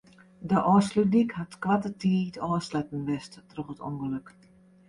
De Ofslútdyk hat koarte tiid ôfsletten west troch it ûngelok.